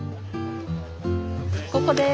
ここです。